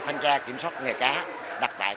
thanh tra kiểm soát nghề cá đặt tại